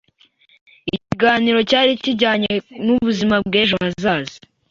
Ikiganiro cyari kijyanye n'ubuzima bw'ejo hazaza